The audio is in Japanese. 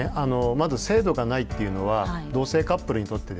まず制度がないっていうのは同性カップルにとってですね